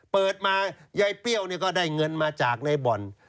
เปิดมายายเปรี้ยวก็ได้เงินมาจากในบ่อน